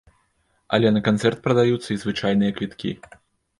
Але на канцэрт прадаюцца і звычайныя квіткі.